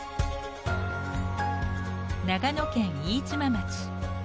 長野県飯島町。